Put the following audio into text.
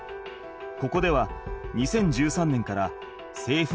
ここでは２０１３年からせいふ